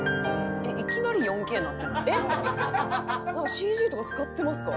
「ＣＧとか使ってますか？」